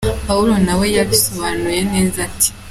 Pawulo nawe yabisobanuye neza ati: “….